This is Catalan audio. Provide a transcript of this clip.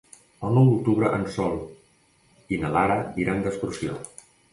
El nou d'octubre en Sol i na Lara iran d'excursió.